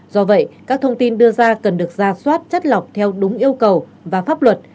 do vậy các thông tin đưa ra cần được ra soát chất lọc theo đúng yêu cầu và pháp luật